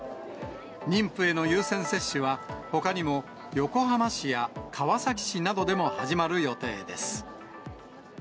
妊婦への優先接種は、ほかにも横浜市や川崎市などでも始まる予定です。